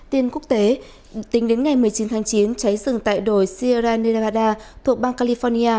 tin quốc tế tính đến ngày một mươi chín tháng chín cháy rừng tại đồi sierra nevada thuộc bang california